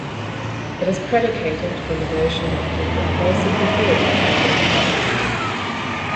It is predicated on the notion that people are basically good and won't cheat.